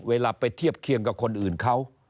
เวลาไปเทียบเคียงกับคนอื่นเขา